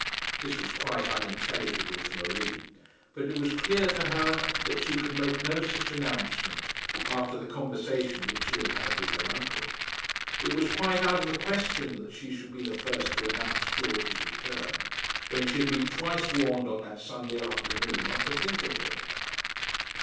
This was quite unintelligible to Marie; but it was clear to her that she could make no such announcement, after the conversation which she had had with her uncle. It was quite out of the question that she should be the first to announce George's return, when she had been twice warned on that Sunday afternoon not to think of him.